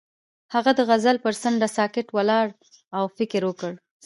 هغه د غزل پر څنډه ساکت ولاړ او فکر وکړ.